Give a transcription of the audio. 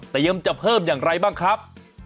จะเพิ่มอย่างไรบ้างครับ